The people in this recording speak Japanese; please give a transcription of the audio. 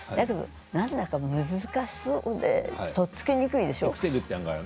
何だか難しそうでとっつきにくいでしょう。